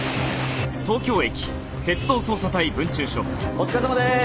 お疲れさまでーす！